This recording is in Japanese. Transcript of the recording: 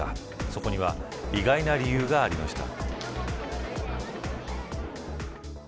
そこには意外な理由がありました。